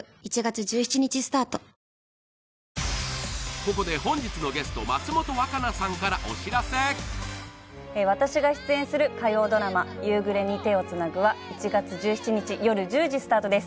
ここで本日のゲスト私が出演する火曜ドラマ「夕暮れに、手をつなぐ」は１月１７日よる１０時スタートです